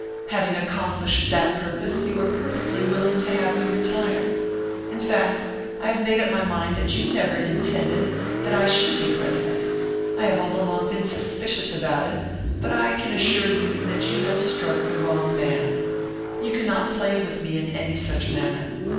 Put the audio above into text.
Having accomplished that purpose, you are perfectly willing to have me retire. In fact, I have made up my mind that you never intended that I should be president I have all along been suspicious about it. But I can assure you that you have struck the wrong man; you cannot play with me in any such manner.